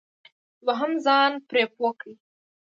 دوهم ځان پرې پوه کړئ.